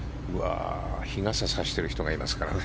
日傘差してる人がいますからね。